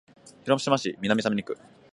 広島市安佐南区